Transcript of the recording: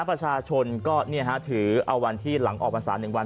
ประชาชนก็ถือเอาวันที่หลังออกพรรษา๑วัน